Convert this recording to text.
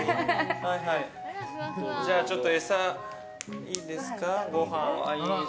じゃあちょっと餌いいですか？